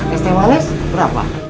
es teh walis berapa